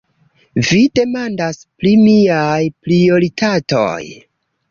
Vi demandas pri miaj prioritatoj.